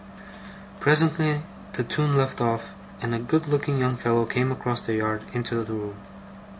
Presently the tune left off, and a good looking young fellow came across the yard into the room.